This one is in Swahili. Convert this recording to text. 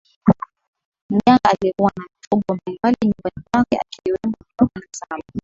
mganga aliyekuwa na mifugo mbalimbali nyumbani kwake ikiwamo nyoka na samba